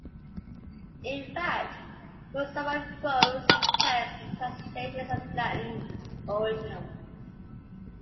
In fact, most surviving prose texts are translations of Latin originals.